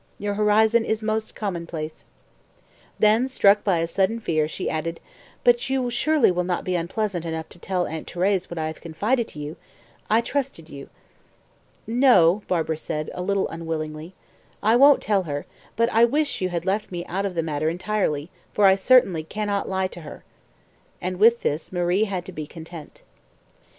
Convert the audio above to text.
"Your horizon is most commonplace." Then, struck by a sudden fear, she added, "But you surely will not be unpleasant enough to tell Aunt Thérèse what I have confided to you? I trusted you." "No," Barbara said, a little unwillingly, "I won't tell her; but I wish you had left me out of the matter entirely, for I certainly cannot lie to her." And with that Marie had to be content.